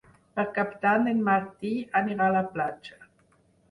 Per Cap d'Any en Martí anirà a la platja.